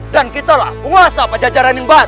dan kita lah penguasa pajajaran yang baru